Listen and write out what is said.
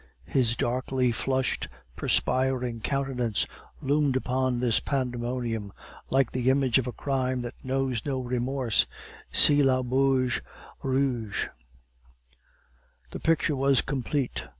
His darkly flushed, perspiring countenance loomed upon this pandemonium, like the image of a crime that knows no remorse (see L'Auberge rouge). The picture was complete.